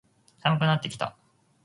寒くなってきた。